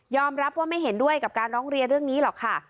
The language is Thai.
รับว่าไม่เห็นด้วยกับการร้องเรียนเรื่องนี้หรอกค่ะ